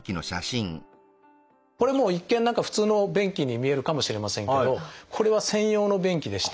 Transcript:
これも一見何か普通の便器に見えるかもしれませんけどこれは専用の便器でして。